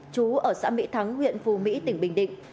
chú ở xã mỹ thắng huyện phù mỹ tỉnh bình định